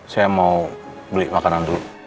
saya mau beli makanan dulu